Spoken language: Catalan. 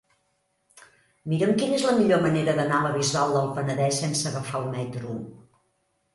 Mira'm quina és la millor manera d'anar a la Bisbal del Penedès sense agafar el metro.